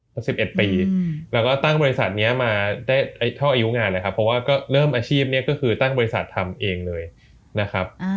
๑๑ปีแล้วก็ตั้งบริษัทนี้มาได้เท่าอายุงานเลยครับเพราะว่าก็เริ่มอาชีพเนี่ยก็คือตั้งบริษัททำเองเลยนะครับ